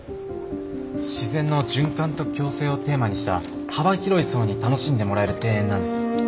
自然の循環と共生をテーマにした幅広い層に楽しんでもらえる庭園なんです。